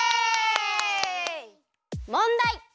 もんだい！